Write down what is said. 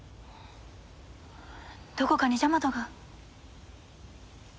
どこかにジャマトが？